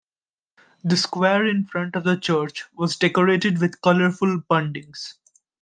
The square in front of the church was decorated with colourful bundings.